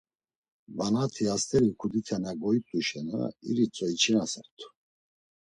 Vanati hast̆eri kudite na goit̆u şena iritzok içinasert̆u.